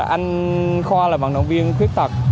anh khoa là vận động viên khuyết tật